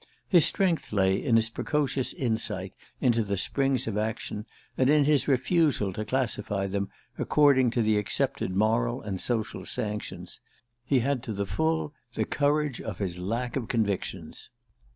His strength lay in his precocious insight into the springs of action, and in his refusal to classify them according to the accepted moral and social sanctions. He had to the full the courage of his lack of convictions.